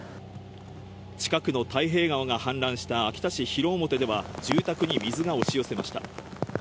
近くの太平川が氾濫した秋田市広面では住宅に水が押し寄せました。